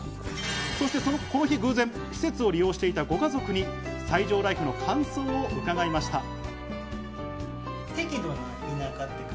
そしてこの日、偶然、施設を利用していたご家族に西条ライフの感想も伺いました。